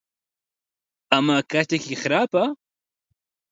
ئەمە کاتێکی خراپە؟